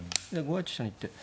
５八飛車に行って。